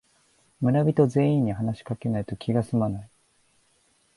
村人全員に話しかけないと気がすまない